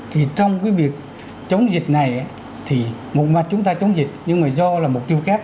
thì trong cái việc chống dịch này thì một mặt chúng ta chống dịch nhưng mà do là mục tiêu kép